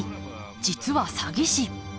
実は詐欺師。